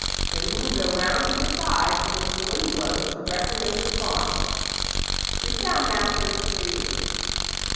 Now, we will go round to the side from which the wind blows directly over the pond. Stoop down, master, if you please.